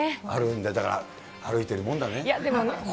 あるんで、だから歩いてるもんだね。